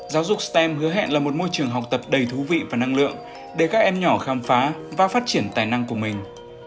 giáo dục stem hứa hẹn là một môi trường học tập đầy thú vị và năng lượng để các em nhỏ khám phá và phát triển tài năng của mình